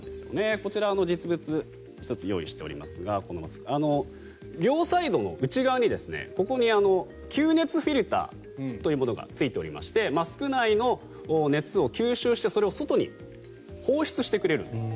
こちら実物を１つ用意していますが両サイドに吸熱フィルタというものがついておりましてマスク内の熱を吸収してそれを外に放出してくれるんです。